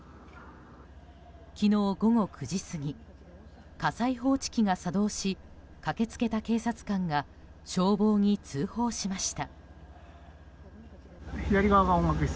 昨日午後９時過ぎ火災報知機が作動し駆けつけた警察官が消防に通報しました。